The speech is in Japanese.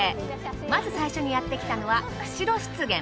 まず最初にやってきたのは釧路湿原。